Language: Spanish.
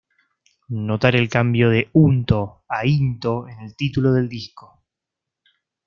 Notar el cambio de "unto" a "into" en el título del disco.